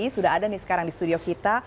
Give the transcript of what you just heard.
sudah ada nih sekarang di studio kita